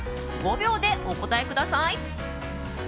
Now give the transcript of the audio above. ５秒でお答えください。